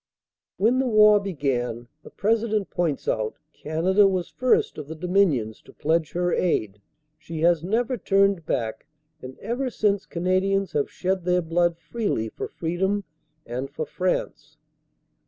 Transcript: When the war began, the President points out, Canada was first of the Dominions to pledge her aid; she has never turned back, and ever since Canadians have shed their blood freely for freedom and for France.